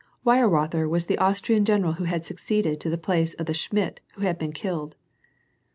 Weirotherwas the Austrian general who had succeeded to the place of the Schmidt who had been killed.